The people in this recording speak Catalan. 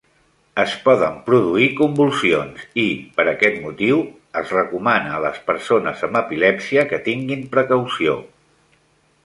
Es poden produir convulsions i, per aquest motiu, es recomana a les persones amb epilèpsia que tinguin precaució.